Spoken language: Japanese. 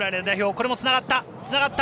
これもつながった。